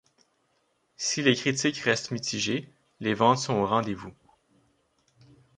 Si les critiques restent mitigées, les ventes sont au rendez-vous.